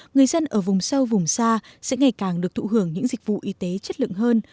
người dân ở vùng sâu vùng xa sẽ ngày càng được thụ hưởng những dịch vụ y tế chất lượng hơn